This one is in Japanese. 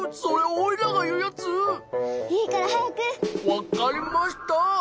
わかりました。